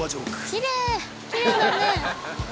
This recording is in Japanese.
きれいだね。